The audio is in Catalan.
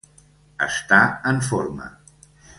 Estar en forma.